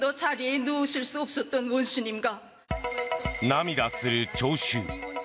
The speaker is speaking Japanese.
涙する聴衆。